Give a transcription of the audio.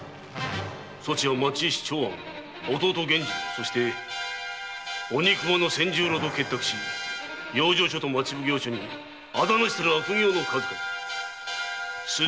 そちが町医師・長庵弟・源次郎そして鬼熊仙十郎と結託し養生所と町奉行に仇なしたる悪行の数々すでに明白！